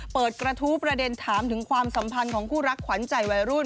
เปิดกระทู้ประเด็นถามถึงความสัมพันธ์ของคู่รักขวัญใจวัยรุ่น